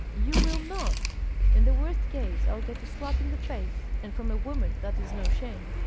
"You will not." "In the worst case I'll get a slap in the face, and from a woman that is no shame.